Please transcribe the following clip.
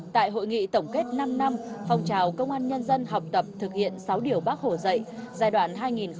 tại hội nghị tổng kết năm năm phong trào công an nhân dân học tập thực hiện sáu điều bác hổ dạy giai đoạn hai nghìn một mươi ba hai nghìn một mươi tám